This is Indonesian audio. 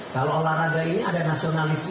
kalau olahraga ini ada nasionalisme